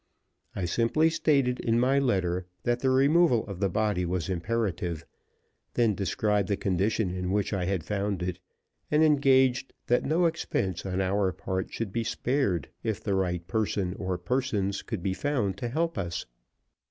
I simply stated in my letter that the removal of the body was imperative, then described the condition in which I had found it, and engaged that no expense on our part should be spared if the right person or persons could be found to help us.